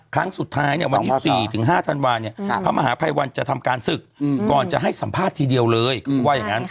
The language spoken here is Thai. ครั้งสุดท้ายเนี่ยวันที่๔๕ธันวาเนี่ยพระมหาภัยวันจะทำการศึกก่อนจะให้สัมภาษณ์ทีเดียวเลยว่าอย่างนั้น